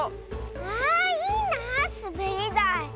あいいなあすべりだい。